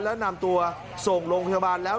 แล้วนำตัวส่งโรงพยาบาลแล้ว